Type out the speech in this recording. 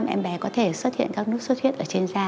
em bé có thể xuất hiện các nốt xuất huyết ở trên da